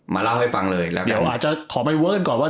มาเล่าให้ฟังเลยแล้วเดี๋ยวอาจจะขอไปเวิร์นก่อนว่า